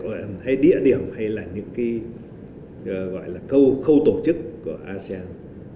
không cần lễ tân hay địa điểm hay là những cái gọi là khâu tổ chức của asean